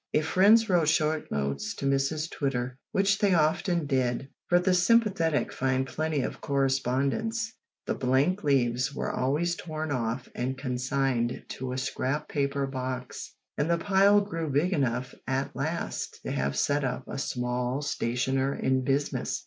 If friends wrote short notes to Mrs Twitter which they often did, for the sympathetic find plenty of correspondents the blank leaves were always torn off and consigned to a scrap paper box, and the pile grew big enough at last to have set up a small stationer in business.